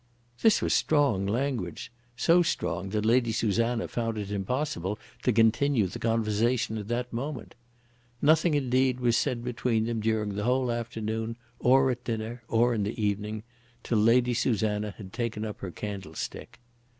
This was strong language, so strong that Lady Susanna found it impossible to continue the conversation at that moment. Nothing, indeed, was said between them during the whole afternoon, or at dinner, or in the evening, till Lady Susanna had taken up her candlestick.